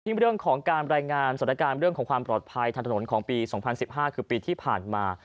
เรื่องของการรายงานสถานการณ์เรื่องของความปลอดภัยทางถนนของปี๒๐๑๕คือปีที่ผ่านมา